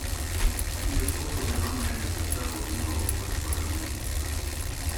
She has also been nominated for several Juno Awards for her music.